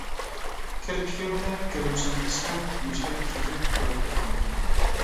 كىرپىكىڭدە گىرىمسەن قىسمەت، ياشتەك سۈزۈك تۇراتتى قاناپ.